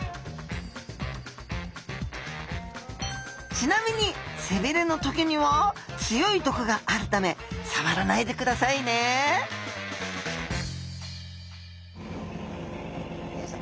ちなみに背びれのトゲには強い毒があるため触らないでくださいねよいしょ。